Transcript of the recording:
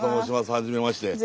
はじめまして。